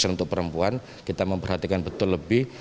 untuk perempuan kita memperhatikan betul lebih